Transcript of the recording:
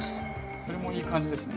それもいい感じですね。